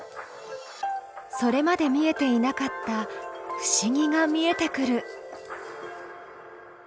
それまで見えていなかった不思議が見えてくる。